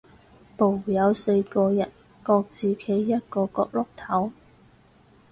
部有四個人，各自企一個角落頭